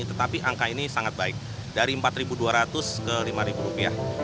tetapi angka ini sangat baik dari rp empat dua ratus ke rp lima